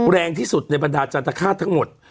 แรงที่สุดในบรรดาจันทคาตทั้งหมด